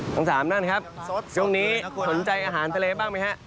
ทั้งสามท่านครับช่วงนี้สนใจอาหารทะเลบ้างไหมฮะ